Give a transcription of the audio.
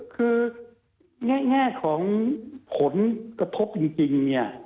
คือแง่ของผลกระทบจริงเนี่ย